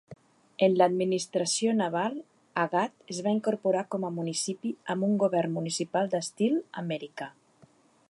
En l'administració naval, Agat es va incorporar com a municipi amb un govern municipal d'estil americà.